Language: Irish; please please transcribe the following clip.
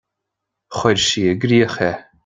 Chuir sí i gcrích é.